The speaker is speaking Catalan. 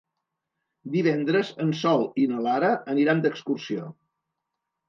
Divendres en Sol i na Lara aniran d'excursió.